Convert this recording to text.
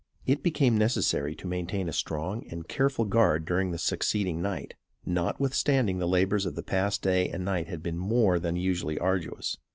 It became necessary to maintain a strong and careful guard during the succeeding night, notwithstanding the labors of the past day and night had been more than usually arduous.